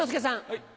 はい。